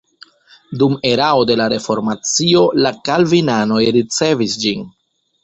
Dum erao de la reformacio la kalvinanoj ricevis ĝin.